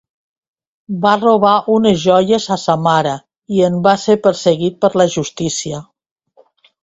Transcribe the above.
Va robar unes joies a sa mare, i en va ser perseguit per la justícia.